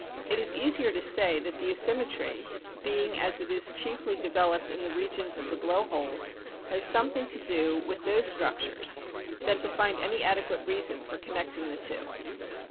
It is easier to say that the asym metry, being, as it is, chiefly developed in the regions of the blow holes, has something to do with those structures, than to find any adequate reason for con necting the two.